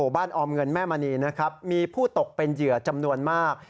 ออมเงินแม่มณีนะครับมีผู้ตกเป็นเหยื่อจำนวนมาก